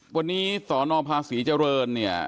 วันนี้สนภาษีเจริญเนี่ย